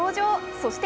そして